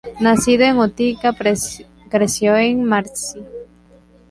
Nacido en Utica, creció en Marcy.